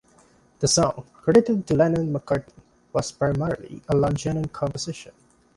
The song, credited to "Lennon-McCartney", was primarily a John Lennon composition.